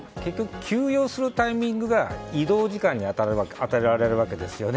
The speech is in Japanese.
休養するタイミングが移動時間に与えられるわけですよね。